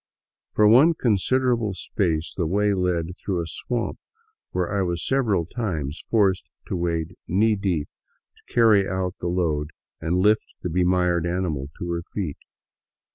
For one considerable space the way led through a swamp, where I was several times forced to wade knee deep to carry out the load and lift the bemired animal to her feet.